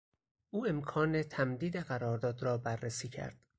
او امکان تمدید قرارداد را بررسی کرد.